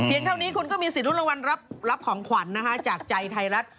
เท่านี้คุณก็มีสิทธิรุ้นรางวัลรับของขวัญนะคะจากใจไทยรัฐ